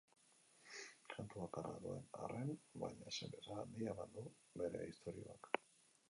Kantu bakarra duen arren, baina zeresan handia eman du bere istorioak.